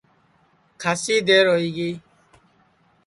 کھاسی دیر ہوئی گی